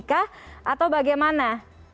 kah atau bagaimana